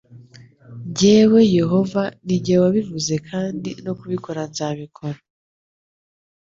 jyewe yehova ni jye wabivuze kandi no kubikora nzabikora